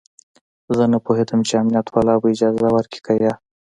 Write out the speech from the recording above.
زه نه پوهېدم چې امنيت والا به اجازه ورکړي که يه.